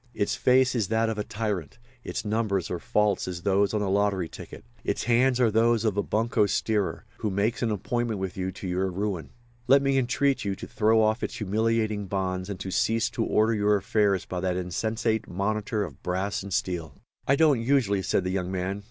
Its face is that of a tyrant, its numbers are false as those on a lottery ticket; its hands are those of a bunco steerer, who makes an appointment with you to your ruin. Let me entreat you to throw off its humiliating bonds and to cease to order your affairs by that insensate monitor of brass and steel." "I don't usually," said the young man.